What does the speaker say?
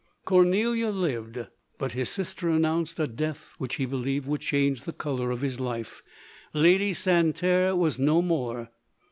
Cornelia lived ; but his sister announced a death winch he believed would change the colour of his life. Lady Santerre was no more